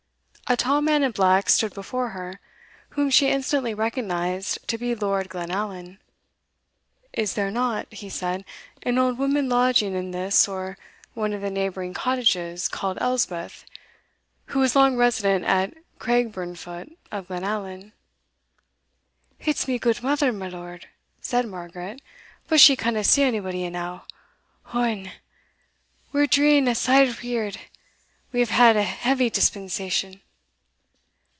A tall man in black stood before her, whom she instantly recognised to be Lord Glenallan. "Is there not," he said, "an old woman lodging in this or one of the neighbouring cottages, called Elspeth, who was long resident at Craigburnfoot of Glenallan?" "It's my gudemither, my lord," said Margaret; "but she canna see onybody e'enow Ohon! we're dreeing a sair weird we hae had a heavy dispensation!"